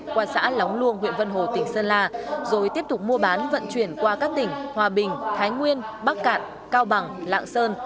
qua xã lóng luông huyện vân hồ tỉnh sơn la rồi tiếp tục mua bán vận chuyển qua các tỉnh hòa bình thái nguyên bắc cạn cao bằng lạng sơn